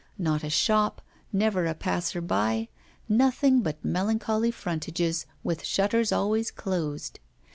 Not a shop, never a passer by nothing but melancholy frontages, with shutters always closed.